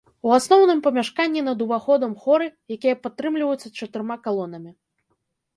У асноўным памяшканні над уваходам хоры, якія падтрымліваюцца чатырма калонамі.